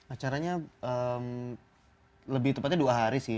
acaranya lebih tepatnya dua hari sih